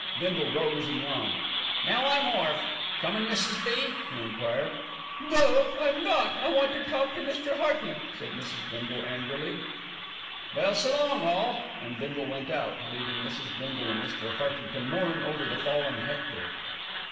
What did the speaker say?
Bindle rose and yawned. "Now I'm orf. Comin', Mrs. B.?" he enquired. "No, I'm not. I want to talk to Mr. Hearty," said Mrs. Bindle angrily. "Well, s'long, all!" and Bindle went out, leaving Mrs. Bindle and Mr. Hearty to mourn over the fallen Hector.